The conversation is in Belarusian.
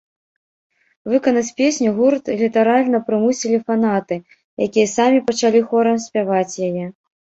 Выканаць песню гурт літаральна прымусілі фанаты, якія самі пачалі хорам спяваць яе.